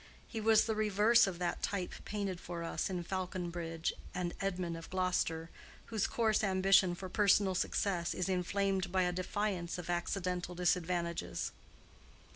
He was the reverse of that type painted for us in Faulconbridge and Edmund of Gloster, whose coarse ambition for personal success is inflamed by a defiance of accidental disadvantages.